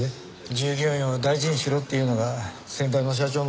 従業員を大事にしろっていうのが先代の社長の教えでしたから。